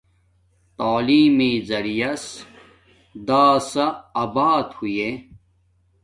تعلیم میے زیعریاس داسے آباد ہوݵݵ